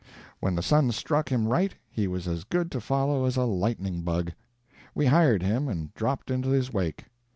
When the sun struck him right, he was as good to follow as a lightning bug. We hired him and dropped into his wake.